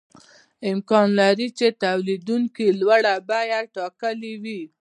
امکان لري چې تولیدونکي لوړه بیه ټاکلې وي